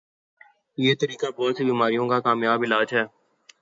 یہ طریقہ بہت سی بیماریوں کا کامیابعلاج ہے